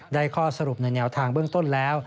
ข้อสรุปในแนวทางเบื้องต้นแล้ว